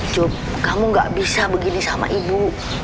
sup kamu gak bisa begini sama ibu